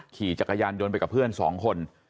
ขี่จักรยานยนต์ไปกับเพื่อนสองคน